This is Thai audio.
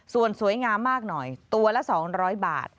ส่วนสวยงามมากหน่อยตัวละ๒๐๐บาท